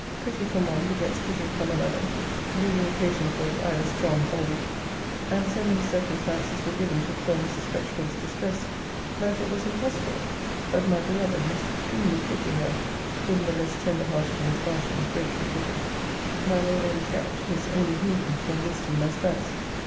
Pity from one begets pity from another, be the occasion for it either strong or weak; and so many circumstances were given to poor Mrs. Fretchville's distress, that it was impossible but my beloved must extremely pity her whom the less tender hearted Miss Martin greatly pitied. 'My Lord M.'s gout his only hindrance from visiting my spouse.